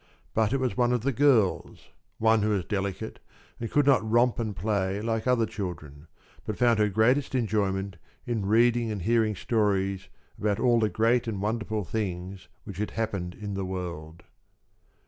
But it was one of the girls one who was delicate and could not romp and play like other children, but found her greatest enjoyment in reading and hearing stories about all the great and wonderful things which had happened in the world.